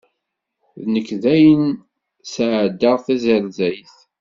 Nekk dayen sɛeddaɣ tazerzayt.